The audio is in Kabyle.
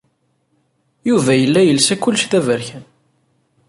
Yuba yella yelsa kullec d aberkan.